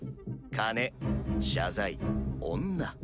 金謝罪女。